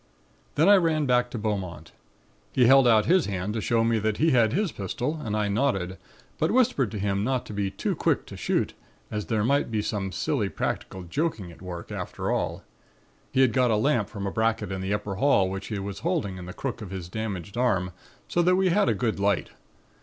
"Then I ran back to Beaumont. He held out his hand to show me that he had his pistol and I nodded, but whispered to him not to be too quick to shoot, as there might be some silly practical joking at work, after all. He had got a lamp from a bracket in the upper hall which he was holding in the crook of his damaged arm, so that we had a good light.